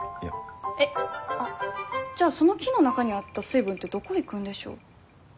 えっじゃあその木の中にあった水分ってどこいくんでしょう？